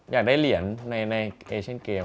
อยากได้เหรียญในเอเชียนเกม